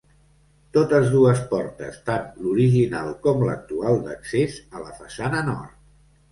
Totes dues portes, tant l'original com l'actual d'accés a la façana nord.